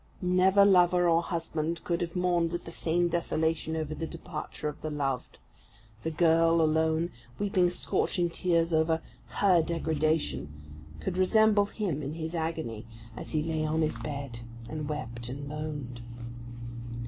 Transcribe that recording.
Never lover or husband could have mourned with the same desolation over the departure of the loved; the girl alone, weeping scorching tears over her degradation, could resemble him in his agony, as he lay on his bed, and wept and moaned.